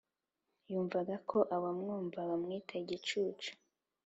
yumvaga ko abamwumva bamwita igicucu?